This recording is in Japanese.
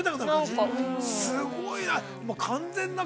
すごいな。